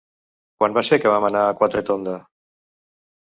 Quan va ser que vam anar a Quatretonda?